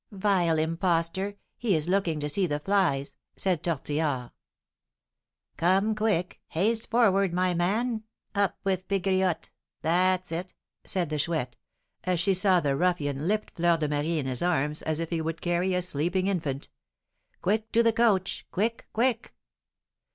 "Vile impostor! He is looking to see the flies," said Tortillard. "Come, quick! Haste forward, my man! Up with Pegriotte! That's it!" said the Chouette, as she saw the ruffian lift Fleur de Marie in his arms as he would carry a sleeping infant. "Quick to the coach! quick, quick!"